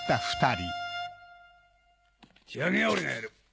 仕上げは俺がやる。